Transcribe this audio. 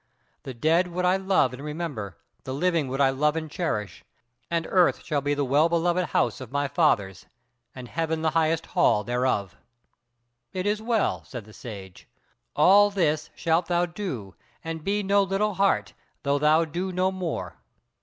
The dead would I love and remember; the living would I love and cherish; and Earth shall be the well beloved house of my Fathers, and Heaven the highest hall thereof." "It is well," said the Sage, "all this shalt thou do and be no little heart, though thou do no more.